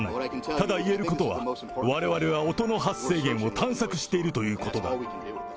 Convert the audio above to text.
ただ言えることは、われわれは音の発生源を探索しているということだ。